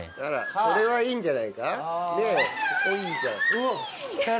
それはいいんじゃないか？